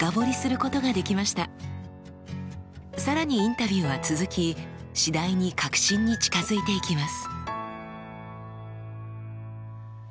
更にインタビューは続き次第に核心に近づいていきます。